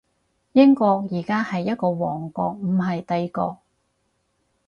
英國而家係一個王國，唔係帝國